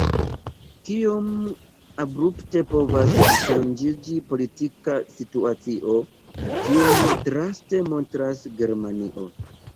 Kiom abrupte povas ŝanĝiĝi politika situacio, tion draste montras Germanio.